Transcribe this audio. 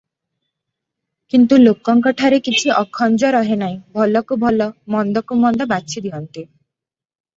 କିନ୍ତୁ ଲୋକଙ୍କଠାରେ କିଛି ଅଖଞ୍ଜ ରହେ ନାହିଁ, ଭଲକୁ ଭଲ, ମନ୍ଦକୁ ମନ୍ଦ, ବାଛିଦିଅନ୍ତି ।